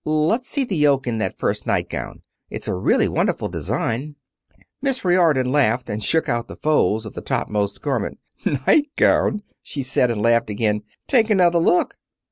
Let's see the yoke in that first nightgown. It's a really wonderful design." Miss Riordon laughed and shook out the folds of the topmost garment. "Nightgown!" she said, and laughed again. "Take another look."